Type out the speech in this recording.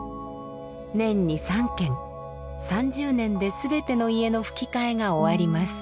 年に３軒３０年で全ての家のふき替えが終わります。